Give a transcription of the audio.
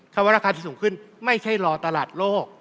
ว่าราคาที่สูงขึ้นไม่ใช่รอตลาดโลก